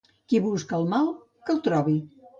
Qui busca el mal, que el trobi.